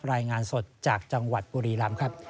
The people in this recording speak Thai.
รายงานสดจากจังหวัดบุรีลำครับ